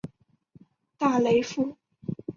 大雷夫。